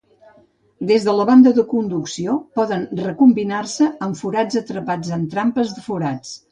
Des de la banda de conducció poden recombinar-se amb forats atrapats en trampes de forats.